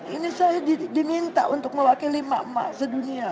ini saya diminta untuk mewakili mama sedunia